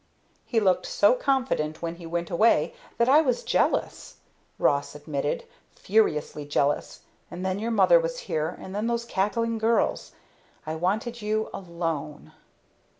"He looked so confident when he went away that I was jealous," Ross admitted, "furiously jealous. And then your mother was here, and then those cackling girls. I wanted you alone."